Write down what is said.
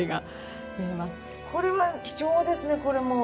これは貴重ですねこれも。